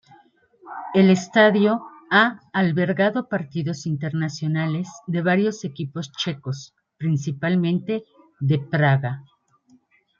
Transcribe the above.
El estadio ha albergado partidos internacionales de varios equipos checos, principalmente de Praga.